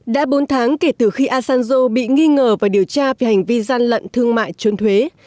đã bốn tháng kể từ khi asanzo bị nghi ngờ và điều tra về hành vi gian lận thương mại trốn thuế